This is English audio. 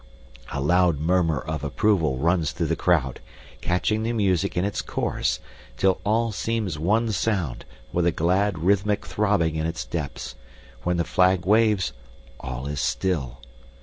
A loud murmur of approval runs through the crowd, catching the music in its course, till all seems one sound, with a glad rhythmic throbbing in its depths. When the flag waves all is still.